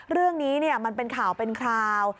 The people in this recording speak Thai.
เรื่องนี้มันเป็นข่าวเป็นคราว